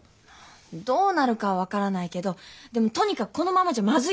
どうなるかは分からないけどでもとにかくこのままじゃまずいです。